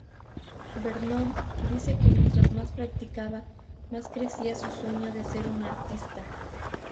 Vernon dice que mientras más practicaba, más crecía su sueño de ser un artista.